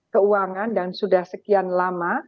keuangan dan sudah sekian lama